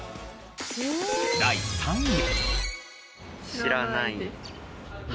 第３位。